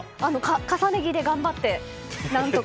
重ね着で頑張って何とか。